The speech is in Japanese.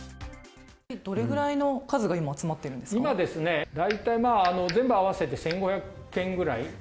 どれぐらいの数が今、集まっ今ですね、大体、全部合わせて１５００件ぐらい。